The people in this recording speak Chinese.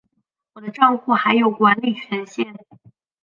我的帐户还有管理权限